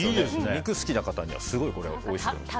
肉、好きな方にはすごくいいと思います。